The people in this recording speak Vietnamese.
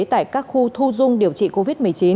tại các khu thu dung điều trị covid một mươi chín